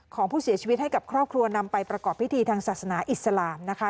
ของผู้เสียชีวิตให้กับครอบครัวนำไปประกอบพิธีทางศาสนาอิสลามนะคะ